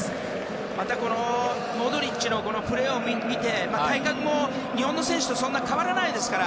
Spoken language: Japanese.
またこのモドリッチのプレーを見て体格も日本の選手とそんなに変わらないですから。